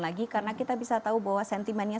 lagi karena kita bisa tahu bahwa sentimennya